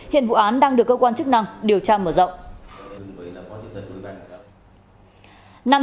hiện vụ án đang được cơ quan chức năng điều tra mở rộng